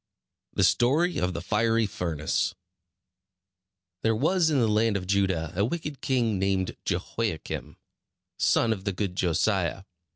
THE STORY OF THE FIERY FURNACE There was in the land of Judah a wicked king named Jehoiakim, son of the good Josiah.